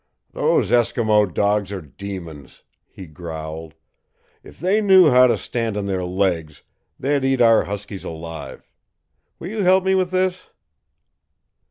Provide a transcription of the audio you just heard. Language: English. "Those Eskimo dogs are demons!" he growled. "If they knew how to stand on their legs, they'd eat our huskies alive! Will you help me with this?"